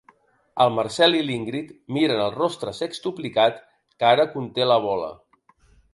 El Marcel i l'Ingrid miren el rostre sextuplicat que ara conté la bola.